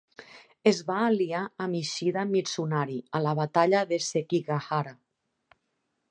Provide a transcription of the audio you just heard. Es va aliar amb Ishida Mitsunari a la batalla de Sekigahara.